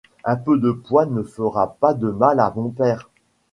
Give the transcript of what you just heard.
un peu de poids ne fera pas de mal à mon père.